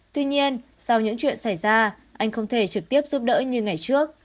tuy nhiên sau những chuyện xảy ra anh không thể trực tiếp giúp đỡ như ngày trước